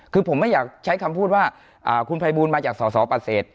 คือผมไม่อยากใช้คำพูดว่าคุณไพบูลมาจากสสปติฤทธิ์